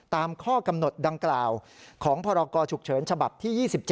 ตามข้อกำหนดดังกล่าวของพรกรฉุกเฉินฉบับที่๒๗